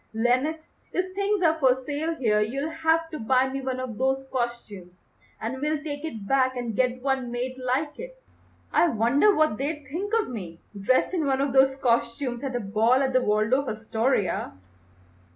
Lenox, if things are for sale here you'll have to buy me one of those costumes, and we'll take it back and get one made like it. I wonder what they'd think of me dressed in one of those costumes at a ball at the Waldorf Astoria."